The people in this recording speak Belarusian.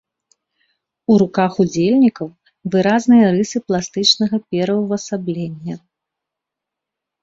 У рухах удзельнікаў выразныя рысы пластычнага пераўвасаблення.